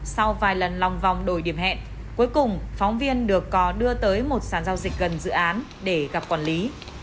sau vài lần lòng vòng đổi điểm hẹn cuối cùng phóng viên được cò đưa tới một sản giao dịch gần dự án để gặp quản lý